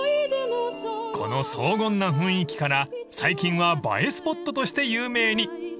［この荘厳な雰囲気から最近は映えスポットとして有名に］